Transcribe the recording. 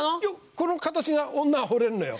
この形が女は惚れるのよ。